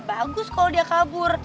bagus kalau dia kabur